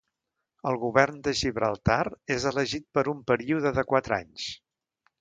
El govern de Gibraltar és elegit per un període de quatre anys.